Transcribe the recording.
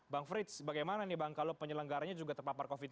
bang frits bagaimana nih bang kalau penyelenggaranya juga terpapar covid sembilan belas